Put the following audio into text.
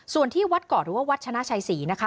ส่วนที่วัดเกาะหรือว่าวัดชนะชัยศรีนะคะ